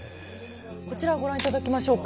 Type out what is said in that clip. こちらをご覧頂きましょうか。